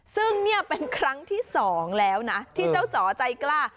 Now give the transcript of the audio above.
ซึ่งเนี่ยเป็นครั้งที่๒แล้วนะที่เจ้าจ๋อใจกล้า